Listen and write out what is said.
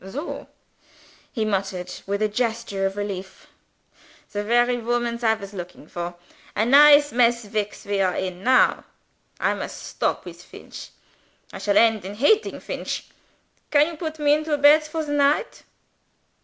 "Soh!" he muttered with a gesture of relief, "the very womans I was looking for. A nice mess fix we are in now! I must stop with Feench. (I shall end in hating Feench!) Can you put me into a beds for the night?"